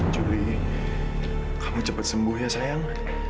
juli kamu cepat sembuh ya sayang